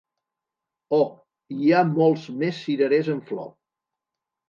Oh, hi ha molts més cirerers en flor!